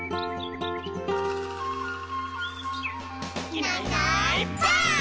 「いないいないばあっ！」